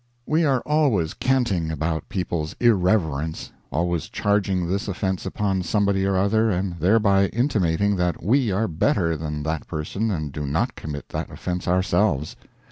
We are always canting about people's "irreverence," always charging this offense upon somebody or other, and thereby intimating that we are better than that person and do not commit that offense ourselves.